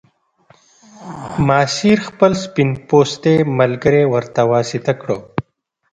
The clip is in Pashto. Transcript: ماسیر خپل سپین پوستی ملګری ورته واسطه کړ.